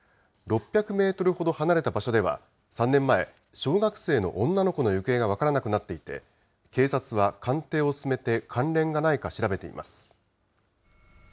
６００メートルほど離れた場所では、３年前、小学生の女の子の行方が分からなくなっていて、警察は鑑定を進めて関連がないか調べています。